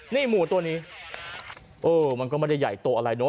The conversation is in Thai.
นี่หมูตัวนี้เออมันก็ไม่ได้ใหญ่โตอะไรเนอ